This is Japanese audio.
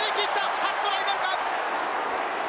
初トライなるか？